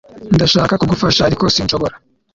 Ndashaka kugufasha ariko sinshobora